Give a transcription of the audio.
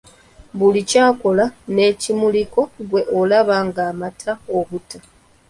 Buli ky’akola n’ekimuliko ggwe olaba ng’amata obuta.